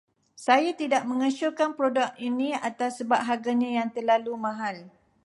Saya tidak mengesyorkan produk ini atas sebab harganya yang terlalu mahal.